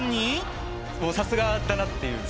もうさすがだなっていう。